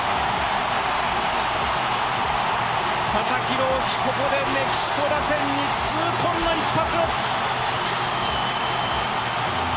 佐々木朗希、ここでメキシコ打線に痛恨の一発。